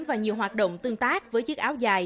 và nhiều hoạt động tương tác với chiếc áo dài